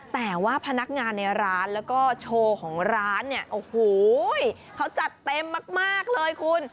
แต่ว่าพนักงานในร้านแล้วก็โชว์ของร้านเนี่ยโอ้โหเขาจัดเต็มมากเลยคุณ